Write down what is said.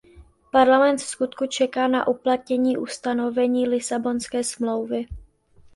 Parlament vskutku čeká na uplatnění ustanovení Lisabonské smlouvy.